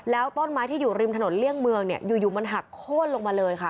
แล้วต้นไม้ที่อยู่ริมถนนเลี่ยงเมืองเนี่ยอยู่มันหักโค้นลงมาเลยค่ะ